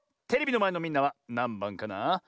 テレビのまえのみんなはなんばんかなあ？